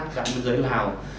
cả nước dưới lào